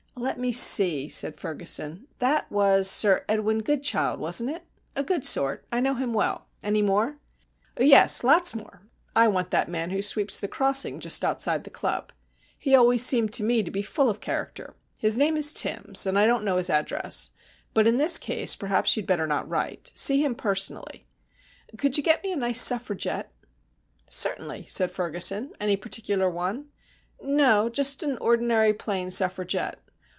"Let me see," said Ferguson "that was Sir Edwin Goodchild, wasn't it? A good sort I know him well. Any more?" "Yes. Lots more. I want that man who sweeps the crossing just outside the club. He always seemed to me to be full of character. His name is Timbs, and I don't know his address. But in this case perhaps you'd better not write. See him personally. Could you get me a nice Suffragette?" "Certainly," said Ferguson. "Any particular one?" "No. Just an ordinary, plain Suffragette.